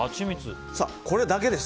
これだけです。